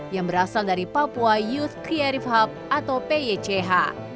yang berasal dari papua youth creative hub atau pych